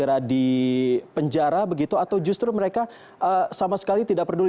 agar ahok segera dipenjara begitu atau justru mereka sama sekali tidak peduli